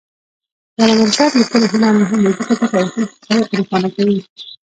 د علامه رشاد لیکنی هنر مهم دی ځکه چې تاریخي حقایق روښانه کوي.